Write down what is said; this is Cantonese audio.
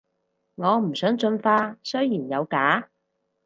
我唔想進化，雖然有假